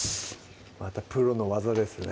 またプロの技ですね